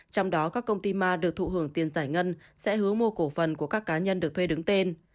trong đó các công ty ma được thụ hưởng tiền giải ngân sẽ hướng mua cổ phần của các cá nhân được thuê đứng tên